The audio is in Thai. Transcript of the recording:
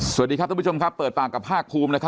สวัสดีครับทุกผู้ชมครับเปิดปากกับภาคภูมิ